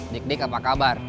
dik dik apa kabar